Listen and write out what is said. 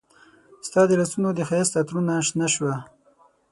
ستا د لاسونو د ښایست عطرونه شنه شوه